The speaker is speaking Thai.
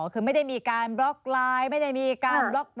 คือไม่ได้มีการบล็อกไลน์ไม่ได้มีการบล็อก